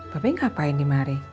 bebe ngapain dimari